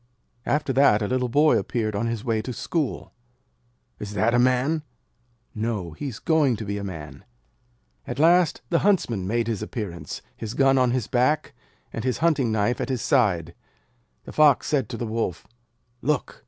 After that, a little boy appeared on his way to school. 'Is that a Man?' 'No; he is going to be a Man.' At last the Huntsman made his appearance, his gun on his back, and his hunting knife at his side. The Fox said to the Wolf, 'Look!